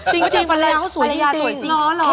จริงภาระยะเข้าสวยจริง